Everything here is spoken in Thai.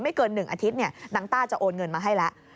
เกิน๑อาทิตย์นางต้าจะโอนเงินมาให้แล้ว